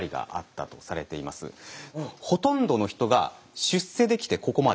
ほとんどの人が出世できてここまで。